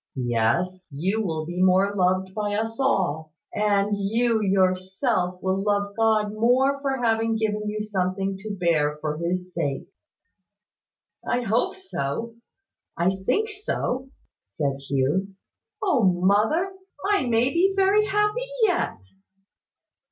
Yes, you will be more loved by us all; and you yourself will love God more for having given you something to bear for his sake." "I hope so, I think so," said Hugh. "O mother! I may be very happy yet."